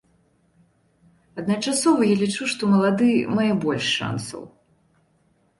Адначасова я лічу, што малады мае больш шансаў.